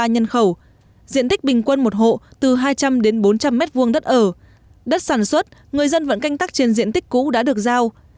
ba nhân khẩu diện tích bình quân một hộ từ hai trăm linh đến bốn trăm linh m hai đất ở đất sản xuất người dân vẫn canh tắc trên diện tích cũ đã được giao